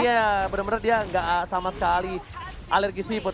iya benar benar dia gak sama sekali alergis hipot